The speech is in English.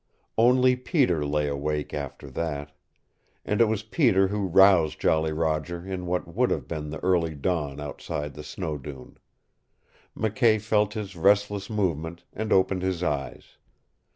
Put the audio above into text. Only Peter lay awake after that. And it was Peter who roused Jolly Roger in what would have been the early dawn outside the snow dune. McKay felt his restless movement, and opened his eyes.